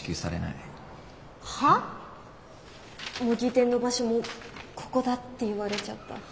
模擬店の場所もここだって言われちゃった。